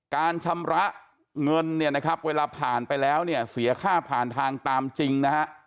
การชำระเงินเนี่ยนะครับเวลาผ่านไปแล้วเนี่ยเสียค่าผ่านทางตามจริงนะฮะ